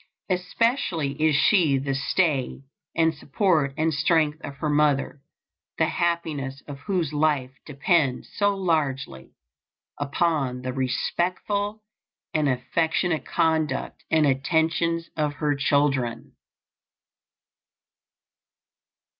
Especially is she the stay and support and strength of her mother, the happiness of whose life depends so largely upon the respectful and affectionate conduct and attentions of her children.